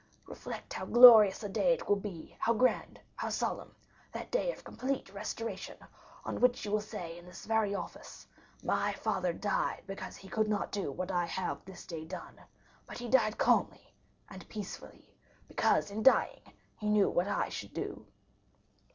Reflect how glorious a day it will be, how grand, how solemn, that day of complete restoration, on which you will say in this very office, 'My father died because he could not do what I have this day done; but he died calmly and peaceably, because in dying he knew what I should do.